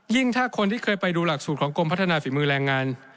ถ้าคนที่เคยไปดูหลักสูตรของกรมพัฒนาฝีมือแรงงาน